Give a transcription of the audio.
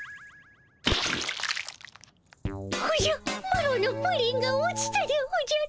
マロのプリンが落ちたでおじゃる。